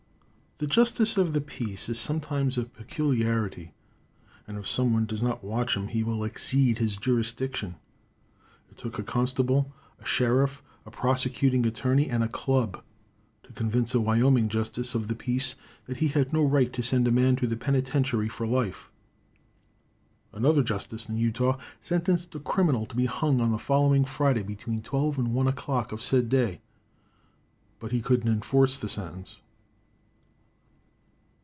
The justice of the peace is sometimes a peculiarity, and if someone does not watch him he will exceed his jurisdiction. It took a constable, a sheriff, a prosecuting attorney and a club to convince a Wyoming justice of the peace that he had no right to send a man to the penitentiary for life. Another justice in Utah sentenced a criminal to be hung on the following Friday between twelve and one o'clock of said day, but he couldn't enforce the sentence.